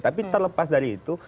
tapi terlepas dari itu